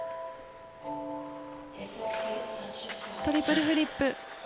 トリプルフリップ。